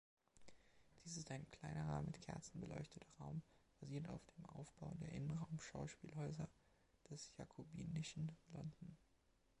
Dies ist ein kleinerer, mit Kerzen beleuchteter Raum, basierend auf dem Aufbau der Innenraum-Schauspielhäuser des jakobinischen London.